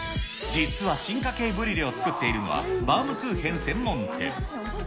実は進化系ブリュレを作っているのは、バウムクーヘン専門店。